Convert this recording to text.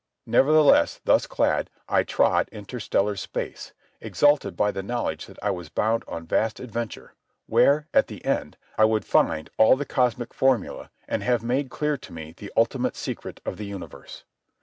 Nevertheless, thus clad, I trod interstellar space, exalted by the knowledge that I was bound on vast adventure, where, at the end, I would find all the cosmic formulæ and have made clear to me the ultimate secret of the universe.